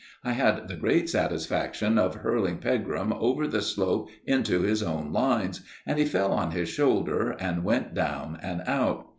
I had the great satisfaction of hurling Pegram over the slope into his own lines, and he fell on his shoulder and went down and out.